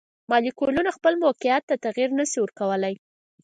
مالیکولونه خپل موقیعت ته تغیر نشي ورکولی.